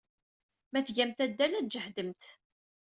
Ma tgamt addal, ad tjehdemt.